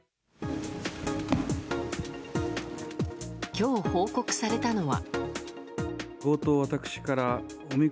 今日、報告されたのは。